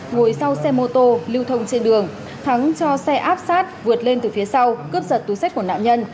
ngồi sau xe mô tô lưu thông trên đường thắng cho xe áp sát vượt lên từ phía sau cướp giật túi sách của nạn nhân